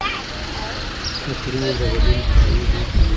عطرونه د بدن طبیعي بوی کموي.